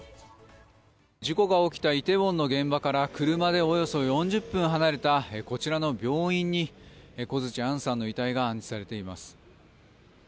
事故が起きたイテウォンの現場から車でおよそ４０分離れたこちらの病院に小槌杏さんの遺体が安置されています。